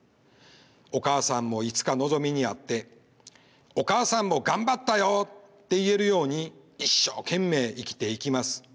お母さんもいつかのぞみに会ってお母さんも頑張ったよって言えるように一生懸命生きていきます。